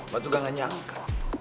maksudnya gak nyangka